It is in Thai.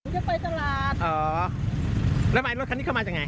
จะไปตลาดอ๋อแล้วนายรถคันนี้เข้ามาจากไหน